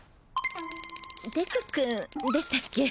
デクくんでしたっけ！？